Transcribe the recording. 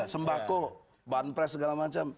sembako banpres segala macam